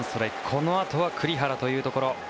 このあとは栗原というところ。